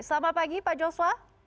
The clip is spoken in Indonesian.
selamat pagi pak joshua